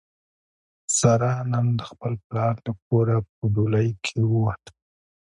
ساره نن د خپل پلار له کوره په ډولۍ کې ووته.